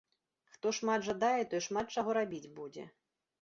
Хто шмат жадае, той шмат чаго рабіць будзе.